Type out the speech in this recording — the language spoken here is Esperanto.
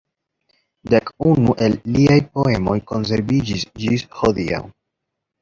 Dek unu el liaj poemoj konserviĝis ĝis hodiaŭ.